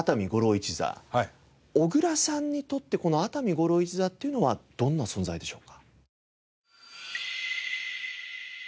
小倉さんにとってこの熱海五郎一座っていうのはどんな存在でしょうか？